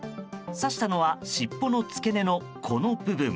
刺したのは、尻尾の付け根のこの部分。